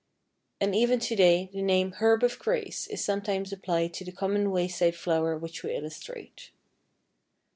And even to day the name "Herb of Grace" is sometimes applied to the common wayside flower which we illustrate.